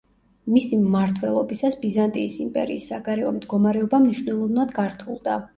მისი მმართველობისას ბიზანტიის იმპერიის საგარეო მდგომარეობა მნიშვნელოვნად გართულდა.